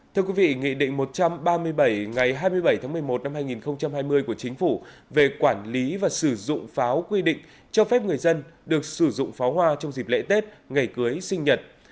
thưa quý vị nghị định một trăm ba mươi bảy ngày hai mươi bảy tháng một mươi một năm hai nghìn hai mươi của chính phủ về quản lý và sử dụng pháo quy định cho phép người dân được sử dụng pháo hoa trong dịp lễ tết ngày cưới sinh nhật